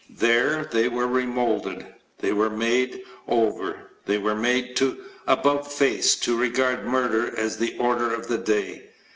There they were remolded; they were made over; they were made to "about face"; to regard murder as the order of the day.